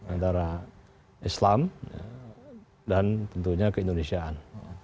antara islam dan tentunya keindonesiaan